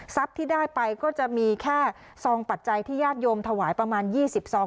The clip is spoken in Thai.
ที่ได้ไปก็จะมีแค่ซองปัจจัยที่ญาติโยมถวายประมาณ๒๐ซอง